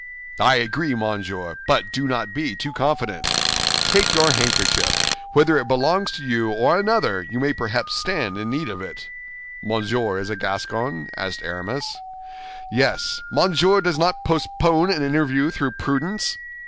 "I agree, monsieur; but do not be too confident. Take your handkerchief; whether it belongs to you or another, you may perhaps stand in need of it." "Monsieur is a Gascon?" asked Aramis. "Yes. Monsieur does not postpone an interview through prudence?"